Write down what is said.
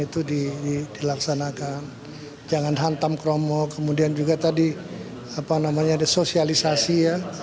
itu dilaksanakan jangan hantam kromo kemudian juga tadi sosialisasi ya